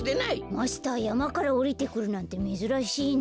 マスターやまからおりてくるなんてめずらしいね。